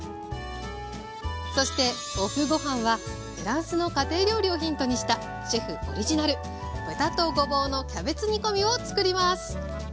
そしてＯＦＦごはんはフランスの家庭料理をヒントにしたシェフオリジナル豚とごぼうのキャベツ煮込みをつくります。